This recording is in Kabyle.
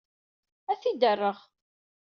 Ad t-id-rreɣ.